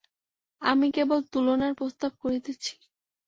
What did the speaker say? আমি কেবল তুলনার প্রস্তাব করিতেছি।